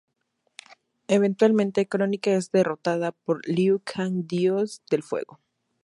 Eventualmente, Kronika es derrotada por Liu Kang Dios del Fuego.